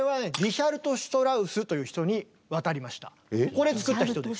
これ作った人です。